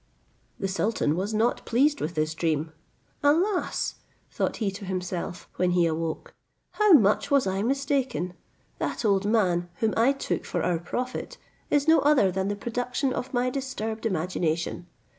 The sultan was not pleased with this dream. "Alas!" thought he to himself, when he awoke, "how much was I mistaken? That old man, whom I took for our prophet, is no other than the production of my disturbed imagination.